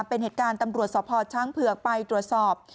เป็นเหตุการณ์ตำรวจสพช้างเผือกไปตรวจสอบ